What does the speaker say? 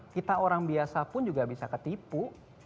kita orang biasa pun juga bisa ketipu